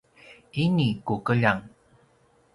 ini ku keljang